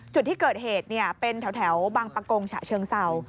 จุดที่เกิดเหตุเป็นแถวบางประกงฉะเชิงเศร้า